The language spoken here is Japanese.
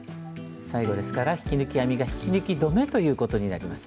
最後ですから引き抜き編みが引き抜き止めということになります。